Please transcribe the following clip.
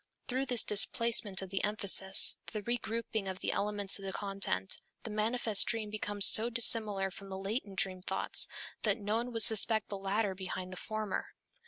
Through this displacement of the emphasis, this regrouping of the elements of the content, the manifest dream becomes so dissimilar from the latent dream thoughts that no one would suspect the latter behind the former.